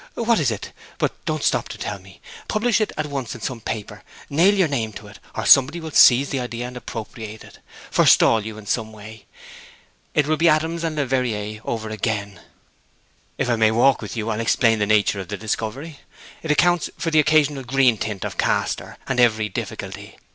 'What is it? But don't stop to tell me. Publish it at once in some paper; nail your name to it, or somebody will seize the idea and appropriate it, forestall you in some way. It will be Adams and Leverrier over again.' 'If I may walk with you I will explain the nature of the discovery. It accounts for the occasional green tint of Castor, and every difficulty.